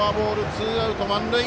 ツーアウト、満塁。